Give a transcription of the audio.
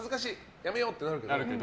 やめようってなるけど。